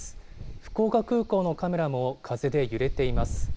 福岡空港のカメラも風で揺れています。